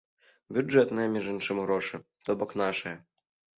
Бюджэтныя, між іншым, грошы, то-бок нашыя.